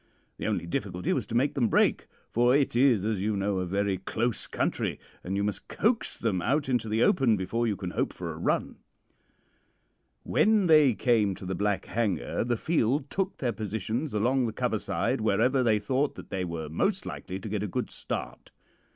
The only difficulty was to make them break, for it is, as you know, a very close country, and you must coax them out into the open before you can hope for a run. "When they came to the Black Hanger the field took their positions along the cover side wherever they thought that they were most likely to get a good start.